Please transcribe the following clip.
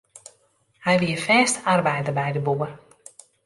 Hy wie fêste arbeider by de boer.